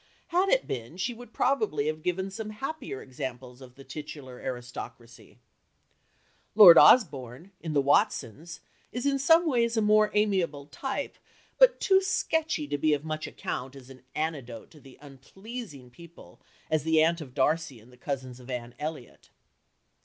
Had it been, she would probably have given some happier examples of the titular aristocracy. Lord Osborne, in The Watsons, is in some ways a more amiable type, but too "sketchy" to be of much account as an antidote to such unpleasing people as the aunt of Darcy and the cousins of Anne Elliot.